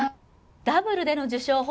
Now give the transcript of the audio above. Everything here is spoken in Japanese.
ダブルでの受賞